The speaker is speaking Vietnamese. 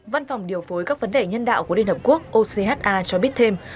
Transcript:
văn phòng điều phối các vấn đề nhân đạo của liên hợp quốc ocha cho biết thêm